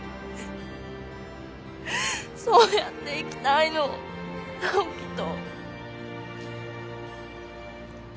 そうやって生きたいの直季と。